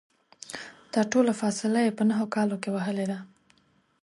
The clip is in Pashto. دا ټوله فاصله یې په نهو کالو کې وهلې ده.